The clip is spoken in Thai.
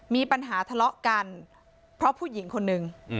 มีปัญหาทะเลาะกันเพราะผู้หญิงคนนึง